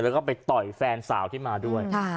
แล้วก็ไปต่อยแฟนสาวที่มาด้วย